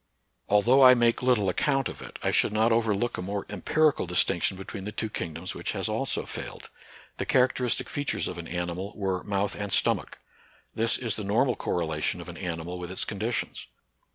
Although I make little account of it, I should not overlook a more empirical distinction be tween the two kingdoms which has also failed. The characteristic features of an animal were mouth and stomach. This is the normal cor relation of an animal with its conditions.